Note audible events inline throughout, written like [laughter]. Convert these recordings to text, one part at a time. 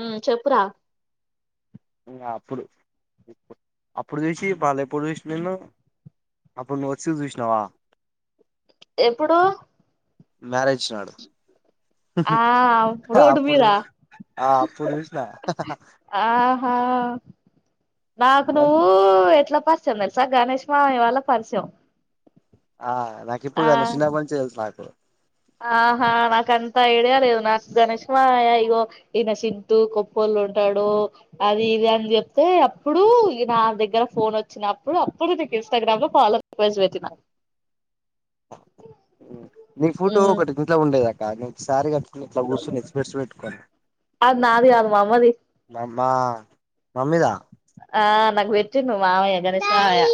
ఉ చొప్పురా ఇంతగా అప్పుడు అప్పుడు జూషి బాలెప్పుడు జూషినాను అప్పుడు నువ్వు వొచ్చు జూషినవా ఎప్పుడు మ్యారేజ్ నాడు ఆ రోడ్ అప్పుడు మీదా చూసి ఆ అప్పుడు చూసిన ఆహా నాకు నువ్వూ ఎట్ల పరిచయం దెల్సా గణేష్ మావయ్య వల్ల పరిచం ఆ నాకిప్పుడు గాదు నువ్వు షిన్నబ్బ నుంచి దెల్సు నాకు ఆహా నాకంత ఐడియా లేదు నాకు గణేష్ మావయ్య ఇగో ఈయన సిద్దూ గొప్పొల్లు వుంటాడు అది ఇది అన్ జొప్తే అప్పుడు ఈ నా దగ్గర ఫోనొచ్చినప్పుడు అప్పుడు ది ఇన్స్టాగ్రామ్ లో ఫాలో రిక్వెస్ట్ బెట్టినా నీ ఫోటో ఉమ్ ఒకటి దీంట్లో ఉండే గదక్క నువ్ శారి గ ట్టుకొని ఇట్ల గూస్సొని [unintelligible] బెట్టుకొని అది నాది కాదు మా అమ్మది నామ్ మా మమ్మీదా ఆ నగ్ బెట్టిండు మావయ్య గణేష్ మావయ్య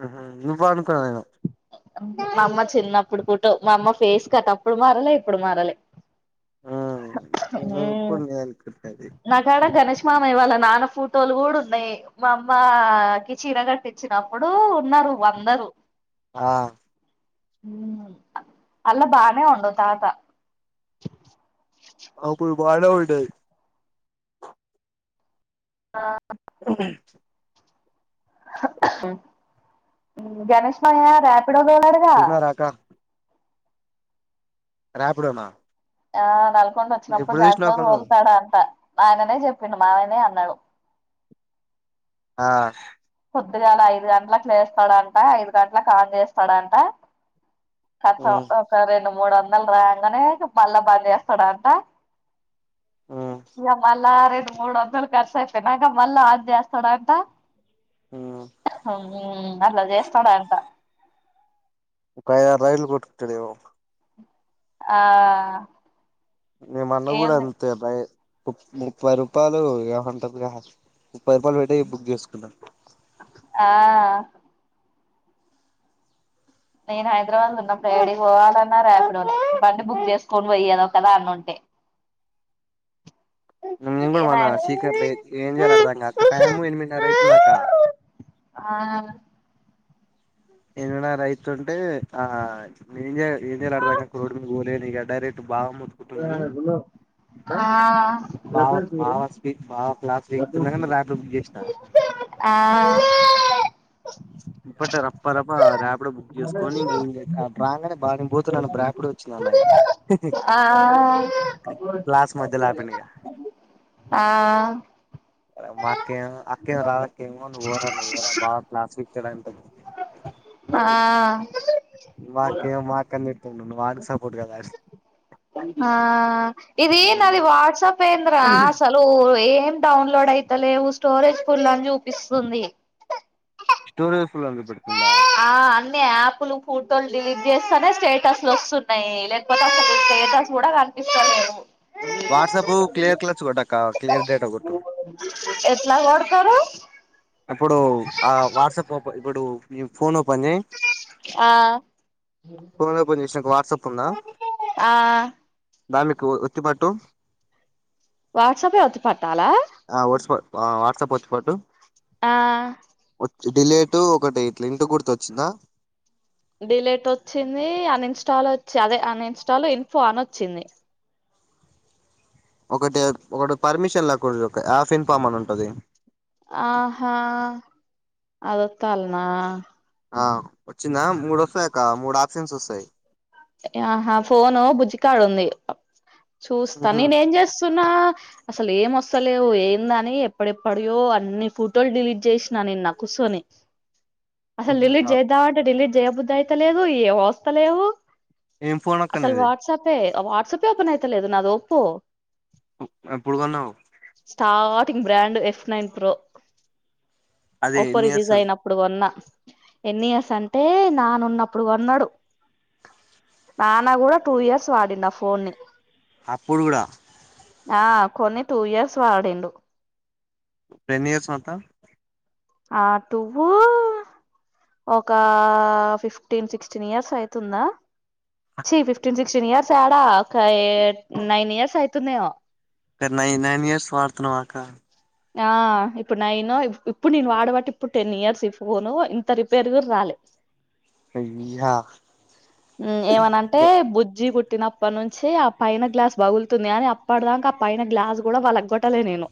అహ నువ్వనుకున్నా నేను మా అమ్మ చిన్నప్పుడు పోటో మా అమ్మ ఫేస్ కట్ అప్పుడు మారాలె ఇప్పుడు మారాలె హూ నువ్వు ఎప్పుడు నేను అనుకుంటున్నది నాకాడ గణేష్ మా వయ్య వాళ్ళ నాన్న ఫోటోలు గూడా ఉన్నాయ్ మా అమ్మకి చీర గట్టిచ్చినప్పుడు ఉన్నారు వందరు ఆ అందులో బానేే ఉండు తాత అప్పుడు బాగనె వుండాయ్ ఆ అ గణేష్ మాయ్య ర్యాపిడో తోలడుగా చూసినారా అక్క రాపిడోనా ఆ నల్కొండ వచ్చినప్పుడు ఎప్పుడు చూసినావు రాపిడో అక్క నువ్వు తోల్తాడంట ఆయననే చెప్పిండు మామయ్యనే అన్నాడు ఆ పొద్దుగాలా ఐదు గంటలకి లేస్తాడంట ఐదు గంటలకు అన్ చేస్తాడంట ఉ కతం ఒక రెండు మూడు వందలు రాంగానే మళ్ళా బంద్ చేస్తాడాంట ఉ ఇగ మళ్ళా రే మూడు వందలు ఖర్చు అయిపోయినాక మళ్ళా అనై చేస్తాడంటా ఉ అట్ల చేస్తాడంట ఒక ఐదు ఆరు రైడ్లు కొట్టుకుంటాడేమో ఆ మే మన్న గుడా ఏంది అంతే బై ముప్పై రూపాయలు ఏమంటరుగా ముప్పై రూపాయలు పెట్టి బుక్ చేసుకున్నా ఆ నేను హైదరాబాద్ ఉన్నప్పుడు యడికి పోవాలన్నా రాపిడోనే బండి బుక్ చేసుకొని పోయేదే ఒకదానుంటే ఇంగ మేం కూడా ఏ మన్న నాయన సికట్ల ఏం చేయాల అర్థంకాక టైము ఎనిమిదిన్నర అయితుంది అక్క ఆ ఎనిమిదిన్నర అయితుంటే ఆ నేన్ ఏంచేయ ఏంచేయాలో అర్థంకాక రోడ్డు మీదకి పోలేను ఇగ బావ మొత్తుకుటున్నని ఆ బావ బావ స్పీ బావ క్లాస్ పీకుతున్నగాని రాపిడో బుక్ చేసిన ఆ ఇప్పటరా పరప రాపిడో బుక్ చేసుకొని ఇంగ అటు రాంగానే బా నేను పోతున్నాను రేపిడో వచ్చింది అన్నగా ఆ క్లాస్ మధ్యలో అపిండు ఇగ ఆ మా అక్కే అక్కేమో రాధక్కేమో నువ్వు పోరా నువ్వు పోరా బావ క్లాస్ పీకుతాడు అంటది ఆ మా అక్కేమో మా అక్కను తిడుతుండు నువ్వు వానికి స కదా అని ఆ ఇది నాది వాట్సాప్ ఏందిరా అసలు ఏం డౌన్లోడ్ అయితలేవు స్టోరేజ్ ఫుల్ అని చూపిస్తుంది స్టోరేజ్ ఫుల్ అని చూపెడుతుందా ఆ అన్ని యాప్లు ఫోటోలు డిలీట్ చేస్తానే స్టేటస్లు వస్తున్నాయి లేకపోతే అసలు స్టేటస్ కూడా కని పిస్తలేవు వాట్సాప్ క్లియర్ క్లచ్ కొట్టక్క క్లియర్ డేటా కొట్టు ఎట్లా కొడుతారు ఇప్పుడు ఆ వాట్సాప్ ఓపె ఇప్పుడు నీఫోన్ ఓపెన్ చేయ్ ఆ ఓపెన్ చేసినాక వాట్సాప్ ఉందా ఆ దానికి ఒత్తి పట్టు వాట్సాపే ఒత్తి పట్టాల ఆ వాట్స వాట్సాప్ ఒత్తి పట్టు ఆ డిలేటు ఒకటి ఇట్ల ఇంటు గుర్తు వచ్చిందా డిలేట్ వొచ్చింది అన్ ఇన్స్టాల్ వచ్చి అదే అన్ ఇన్స్టాల్ ఇన్ఫో అని వచ్చింది ఒకటి ఒకటి పర్మిషన్ లేకూడదు హాఫ్ ఇన్ఫామ్ అని ఉంటది అదొత్తన్న ఆ వచ్చిందా మూడు వస్తాయాక్క మూడు ఆప్షన్స్ వస్తాయి ఆహ ఫోను బుజ్జికడుంది చూస్తా ఉహు నేనేఏం చేస్తున్నా అసలు ఏం వస్తలేవు ఏందని ఎప్పుడెప్పుడయో అన్ని ఫోటోలు డిలీట్ చేసినా నేన్న కూసోని అసలు ఉహు ఢిల్లీట్ ఆ చేయద్దా అంటే ఢిల్లీట్ జయబుద్ధ అయితలేదు ఏ ఓస్తలేవు ఏం ఫోన్ అక్క అసలు నీది వాట్సాపే ఆ వాట్సాపే ఓపన్ యితలేదు నాదీ ఒప్పో ఎప్పుడు కొన్నావు టింగ్ బ్రాండ్ ఎఫ్ నైన్ ప్రో అది ఒప్పో ఎన్ని రిలీజ్ ఇయర్స్ అయినప్పుడు కొన్నా ఎన్ని ఇయర్స్ అంటే నానున్నప్పుడు కొన్నడు నానా కూడా టూ ఇయర్స్ వాడిండు ఆ ఫోన్ని అప్పుడు గూడ ఆ కొన్ని టూ ఇయర్స్ వాడిండు ఎన్ని ఇయర్స్ మాతా ఆ టుూవ్ ఒక ఫిఫ్టీన్ సిక్స్టీన్ ఇయర్స్ అయితుందా చి ఫిఫ్టీన్ సిక్స్టీన్ ఇయర్స్ ఏడా ఒక నైన్ ఇయర్స్ అయితుందేమో టె నై నైన్ ఇయర్స్ వస్తున్నవ అక్క ఆ ఇప్పుడు నైను ఇప్పుడు నేను వాడబట్టి ఇప్పుడు టెన్ ఇయర్స్ ఈ ఫోను ఇంత రిపేర్ కూడా రాలే అయ్యా ఏమనంటే గే బుజ్జి బట్ పుట్టిప్పటి నుంచి ఆ పైన గ్లాస్ బగులుతుంది అని అప్పటి దాక ఆ పైన గ్లాస్ కూడా వాళ్ళ గోట్టలే నేను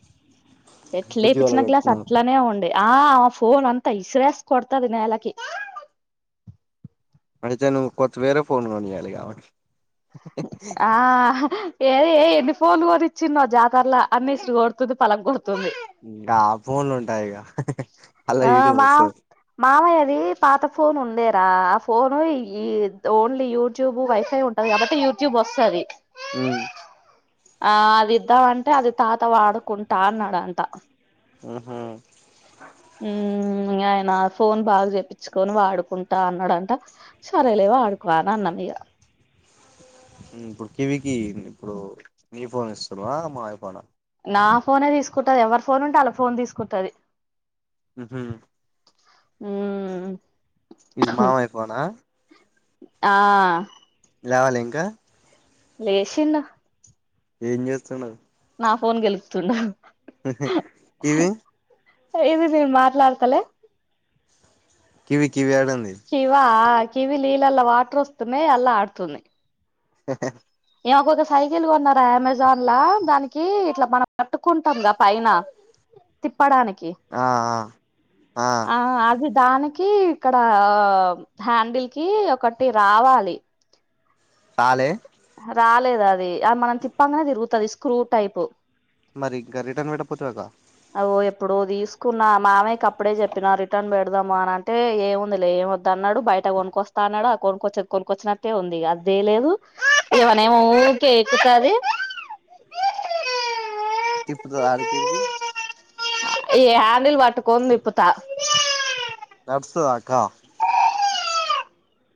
బుజ్జి ఎట్లేపిచ్చిన గ్లాస్ పగలగొడుతున్నావ్ అట్లనే ఉండే ఆ ఫోన్ అంత ఇస్రేస్ కొడతది నెలకి తే నువ్వు కొత్త వేరే ఫోన్ కొనియాలి ఇగ ఆమెకి ఆ హ ఏద ఎన్ని ఫోన్లు కూడారి ఇచ్చినో జాతరల అన్ని ఇలు కొడుతుంది పలంక కొడుతుంది గా ఫోన్లు ఉంటయా ఇగ ఆ మా మామయ్య ది పాత ఫోన్ ఉందేరా ఆ ఫోను ఈ ఓన్లీ యూట్యూబ్ వైఫై ఉంటది కాబట్టి ఏ యూట్యూబ్ వొస్తది ఉమ్ ఆ అది ఇద్దామంటే అది తాత వాడుకుంటా అన్నాడ అంట ఆహ ఉమ్ ఇంగ ఆయన ఫోన్ బాగా చెప్పించుకొని వాడుకుంటా అన్నాడంట సరేలే వాడుకో అని అన్న ఇగా బుక్కివికి ఇప్పుడు నీ ఫోన్ ఇస్తున్నావా మాయా ఫోనా నా ఫోనే తీసుకుంటది ఎవరి ఫోన్ ఉంటే అల్లా ఫోన్ తీసుకుంటది ఉహు ఉమ్ ఈజ్ మామయ పోనా ఆ లేవలే ఇంకా లేషిన్న ఏం జేస్తున్నావ్ నా ఫోన్ గెలుకుతుండు ఇవి ఇది నేను మాట్లాడతలే కివికి కివా కివి నీళ్లలా వాటర్ వస్తున్నయి అల్లా ఆడుతుంది ఇమేకు ఒక సైకిల్ కొన్నారా అమెజాన్ లా దానికి ఇట్లా మనం పట్టుకుంటాం పైన తిప్పడానికి ఆ ఆ అది దాని కి ఇక్కడ హ్యాండిల్ కి ఒకటి రావాలి తాలే రాలేదు అది అది మనం తిప్పంగానే తిరుగుతది స్క్రూ టైప్ మరి ఇంకా రిటర్న్ పెట్టపోతీవక్క అగో ఎప్పుడో తీసుకున్నా మామయకి అప్పుడే చెప్పిన రిటర్న్ పెడదాము అని అంటే ఏంముంది లే ఏం వదు అన్నాడు బ బయట కొనుకొస్తా అన్నాడు ఆ కొనుకొచ్చ కొనుకొచ్చినట్టే ఉంది ఇగ అది తేలేదు ఇవనేమో ఊకె ఎక్కుతది తిప్పుతద ఆడికిడికి పటుకోని తిప్పుతా వస్తాదక్క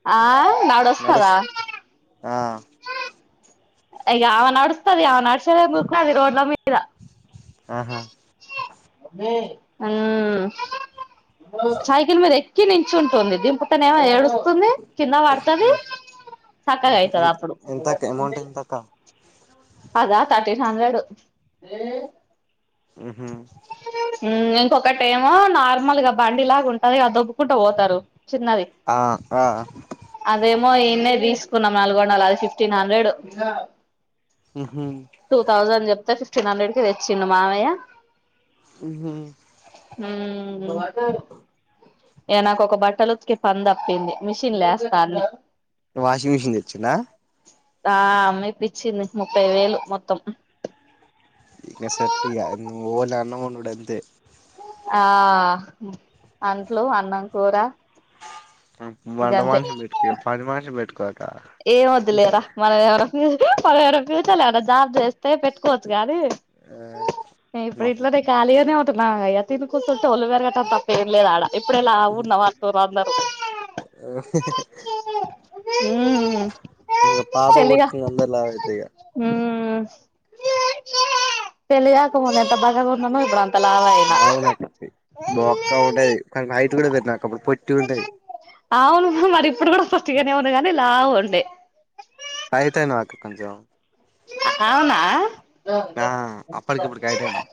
ఆ నడుస్ నడుస్తదా ఆ ఇగ ఆమె నడుస్తది అమే నడుసేదెందో ఉరుకుతంది రోడ్ల మీ ఆహా సైకిల్ మీద ఎక్కి నించుంటుంది దింపుతనేమో ఏడు తుంది కింద పడుతది చక్కగా అయితది ఎంత అప్పుడు ఎంతక్క అమౌంట్ ఎంతక్క కదా థర్టీన్ హండ్రెడ్ ఉహు ఇంకొకటెమొ నార్మల్గా బండిలాగా ఉంటది గా దొబ్బుకుంట పోతారు చిన్నది ఆ మో ఇన్నే తీసుకున్నా నల్గొండల అది ఫిఫ్టీన్ హండ్రెడ్ ఉహు టూ థౌజండ్ చెప్తే ఫిఫ్టీన్ హండ్రెడ్ కి తెచ్చిండు మామయ్య ఉహు ఉ ఇగ నాకు ఒక బట్టలు ఉతికే పని తప్పింది మిషన్ లేస్తా అన్నీ వాషింగ్ మెషన్ తెచ్చిండ ఆ అమ్మ ఇప్పిచ్చింది ముప్పై వేలు మొత్తం ఇంగ సెట్ ఇగ నువ్వు ఓన్లీ అన్న మండుడు అంతే ఆ అంట్లు అన్నం కూర వంట గంతే మనిషిని బెట్కో ఇగ పని మనిషిని బెట్కో ఏం వొద్దులేర మనం ఎవనా ఫీల్ మనం ఏమన్నా ఫ్యూచర్ లేమన్న జాబ్ చేస్తే పెట్టుకోవచ్చు గానీ నే ఇప్పుడు ఇట్లానే కాలిగనే ఉ నా అయ తిని కూర్చుంటే ఒళ్ళు పెరగటం తప్ప ఏం లేదు ఆడా ఇప్పుడే లావు ఉన్నావ్ అంటూరు అందరూ అ ఉమ్ ఇక పాప కొతు అందా [unintelligible] లాభ ఇదుగా ఉ పెళ్లి ఆకముంది ఎంత బగ న నో ఇబడంత [unintelligible] ఆవునాకట్ బ ఉండ కరయిట్ కూడా అప్పుడు పొట్టటింటదు [unintelligible] అవును మరి ఇప్పుడు కూడా పొట్టి గనే వున్న గానీ లావు ఉండే అయితే నాకు కొంచెం అ అవునా ఆ అప్పటికిప్పటికి హైట్ అయినవ్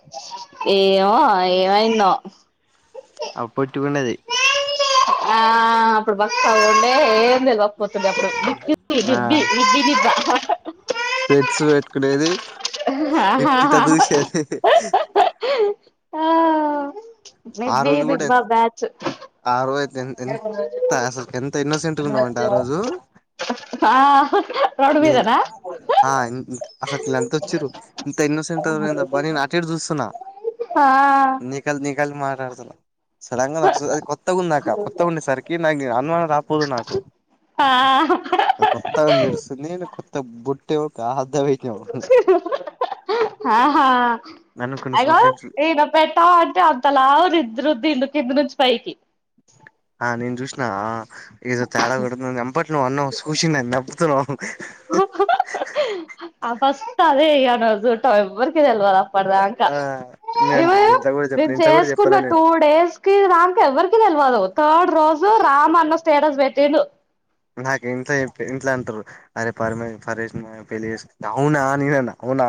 ఏమో ఏమైందొ [inaudible] ఆ పొట్టి గున్నది ఆ అప్పుడు బక్ అవ్వండే ఏం లే బక్కపోతుంది అప్పుడు బ [unintelligible] దిడ్బ బిడ్బ దిద్ద స్పెడ్స్ పెట్టుకునేది ఇట్టిట చూసేది ఆ ఆ నివ్వే రోజు కూడా నిబ్బ బ్యాచ్ [unintelligible] ఆ రోజయితే ఆ ఎంత అసలుకి ఎంత ఇన్నోసెంట్ గున్నామంటే ఆ రోజు రోడ్ నేను మీదన ఆ అసలు ఎంత వచ్చి్ర [unintelligible] ఇంత ఇన్నోసెంట్ అ బని అటేడు చూస్తున్నా ఆ నకల్ నకల్ [unintelligible] మారారు త సడంగా ఒక సారి కొత్తగా ఉందాక కొత్తగా ఉండేసరికి నాకు అనుమానం రాపోదు నాకు ఆ ఆ కొత్తగ మెరిస్ నేను కొత్త బుట్టకాద్ద వయి [unintelligible] ఆహా ఆగో ఈయన పెట్టా అంటే అంతలావు నిద్ద్ర దిండు కింద నుంచి పైకి ఆ నేను చూసిన ఆ ఎదో తేడా కొడు తుంది వెంప అన్నం చూచంద నబతున్నా ఆ [unintelligible] ఫస్ట్ అదే ఇగ నువ్వు చూడటం ఎవ్వరికి తెల్వదు అప్పటి దాకా ఆ నే ఇవ అంటున్నా [unintelligible] ఇంట్లో కూడా నేను చెప్పలే ఇంట్లో కూడా చేసుకున్న చెప్పాలే టూ నేను డేస్ కి దక ఎవ్వరికి తెలివాల థర్డ్ రోజు రామ్ అన్న స్టేటస్ పెట్టిండు నాక ఇంట్లో ఇంట్ అంటారు అరే పర్మ ఫరే పలే అవునా న [unintelligible] అవునా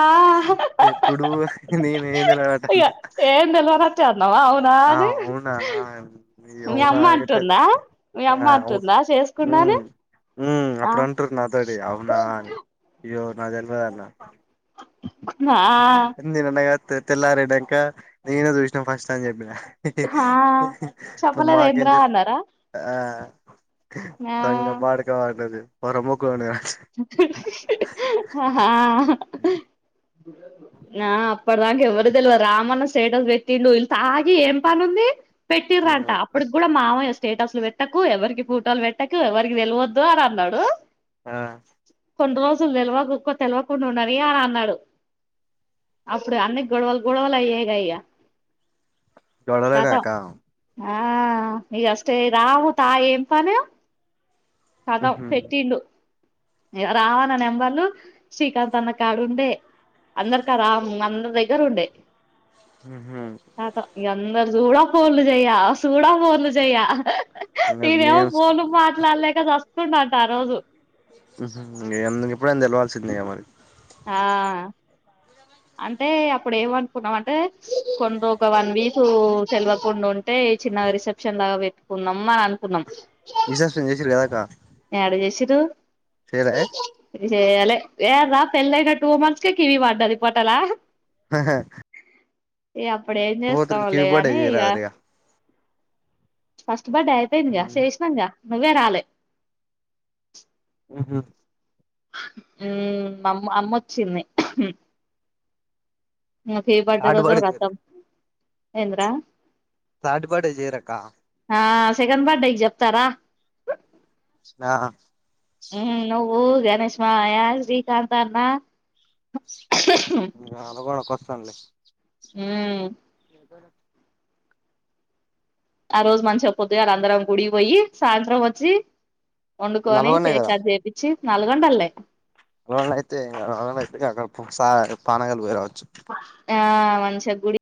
ఆ ఎప్పుడు నేను ఏం ఇగ నిలవాటన్నా ఏం తెలవనట్టే అన్నావా [unintelligible] అవునా ఆ అని అవునా మీ అవునా అమ్మ ఎగ తాళి అంటుందా మీ అమ్మ ఆ అవును అంటుందా ఉం చేసుకున్నాని ఉం ఆ అప్పుడు అంటురు నాతోటి అవునా అని అయ్యో నాకు తెల్వదు అట్లా ఆ నేను అన్నగా తే తెల్లారినంక నేనే చూసినా ఫస్ట్ అని చెప్పిన హా మా క చెప్పలేదేంద్రా అన్నారా ఆ [unintelligible] ఆ దంగ బాడక వాంటది పర మొక్కలునే [unintelligible] ఆహా ఆ అప్పటి దాక ఎవ్వరు తెల్వదు రామన్న స్టేటస్ పెట్టిండు వీళ్ళు తాగి ఏం పని ఉంది పెట్టిరంట ఉమ్ అప్పుడుకి కూడా మావయ్య స్టేటస్లు పెట్టకు ఎవరికి పూటోలు పెట్టకు ఎవరికి తెలవద్దు అని అన్నాడు ఆ కొన్ని రోజులు తెలవకు తెలివకుండా ఉండని అని అన్నాడు అప్పుడు అన్ని గొడవలు గొడవలు అయ్యాగా ఇక గొడవలేనే అక్క ఆ ఇక నగ అస్తే రావు తా ఏంపానే కదం ఉహు పెట్టిడు రావన్న నెంబర్లు శ్రీకాంత్ అన్న కాడు ఉండే అందరిక రా అందరి దగ్గర ఉండే ఉమ్ చూడా పోలు చెయ్య చూడా పోలు చెయ ఇంగ తేనే ఏమో గేమ్స్ ఫోన్ మాట్లాడలేక చస్తున్నాట ఆ రోజు ఎందుక ఇప్పుడనా తెలవాల్సిందన్నాగా మరికి ఆ అంటే అప్పుడు ఏమ అనుకున్నాం అంటే కొంద ఒక వన్ వీక్ సలవకుండా ఉంటే చిన్నగా రిసెప్షన్ లాగా పెట్టుకుందాం అని అనుకున్నాం రిసెప్షన్ చేసుడు కదా అక్క ఎడ చేసిర్రు రిరే చెయ్యాలె ఎ అన్న పెళ్లి అయినా ట్వ మంత్స్ కే కివి పాత పాటల ఆహా ఏ అప్పుడు ఏం చేస్తాంలే బర్డే అని ఇక చేయరాదురిగా ఫస్ట్ బడ అయిపోయిందిగా చేసినంగా నువ్వే రాలే ఆహ ఉ అమ్మ అమ్మ అమ్మొచ్చింది ఫే బర్త్డే థర్డ్ రోజవ బర్డే చేయరు రాతం ఏంద్రా థర్డ్ బర్డే చేయరక్క ఆ సెకండ్ బాడేయ్ కీ జప్తారా ఆ హ నువ్వు గణష్ మాయ శ్రీకాంత అన్న ఇంకా అనుగోడాకి వస్తాండి ఉమ్ ఆ రోజు మంచిగా పోదుగల అందరం గుడి పోయి సాయంత్రం వచ్చి వండుకొని నల్గొండే కేకా కట్ చేపిచ్చి నల్గొండల్లే లో అయితేయితే అక్కడ పానగలి పోయి రావచ్చు ఆ వంశప్ గుడి